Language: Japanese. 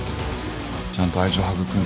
ちゃんと愛情育んで。